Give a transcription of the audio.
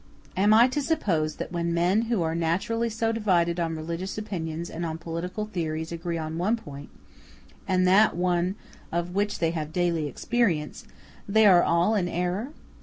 Am I to suppose that when men who are naturally so divided on religious opinions and on political theories agree on one point (and that one of which they have daily experience), they are all in error?